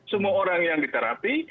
semua orang yang diterapi